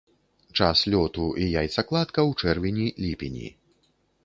Час лёту і яйцакладка ў чэрвені-ліпені.